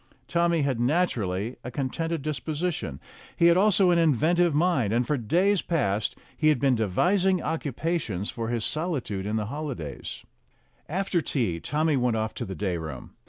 Tommy had naturally a contented disposition. He had also an inventive mind, and for days past he had been devising occupations for his solitude in the holidays. 102 STORIES WITHOUT TEARS After tea Tommy went off to the day room.